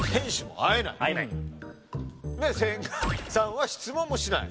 で千賀さんは質問もしない。